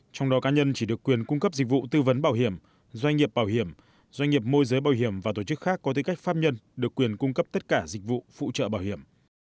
trong đó cá nhân chỉ được quyền cung cấp dịch vụ tư vấn bảo hiểm doanh nghiệp bảo hiểm doanh nghiệp môi giới bảo hiểm và tổ chức khác có tư cách pháp nhân được quyền cung cấp tất cả dịch vụ phụ trợ bảo hiểm